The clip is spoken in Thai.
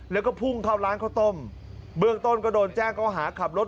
แล้วก็พุ่งเข้าร้านข้าวต้มเบื้องต้นก็โดนแจ้งเขาหาขับรถ